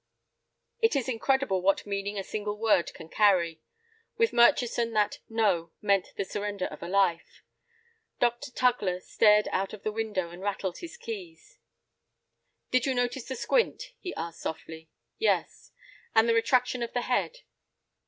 It is incredible what meaning a single word can carry. With Murchison that "no" meant the surrender of a life. Dr. Tugler stared out of the window, and rattled his keys. "Did you notice the squint?" he asked, softly. "Yes." "And the retraction of the head?